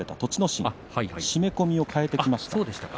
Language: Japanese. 心締め込みを替えてきました。